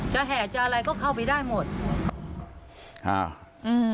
จะแห่จะอะไรก็เข้าไปได้หมด